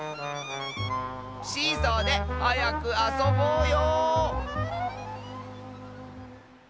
シーソーではやくあそぼうよ！